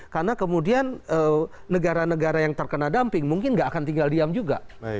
karena kemudian negara negara yang terkena dumping mungkin tidak akan tinggal diam juga